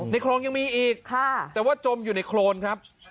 คลองยังมีอีกแต่ว่าจมอยู่ในโครนครับ